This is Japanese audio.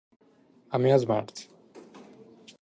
アミューズメント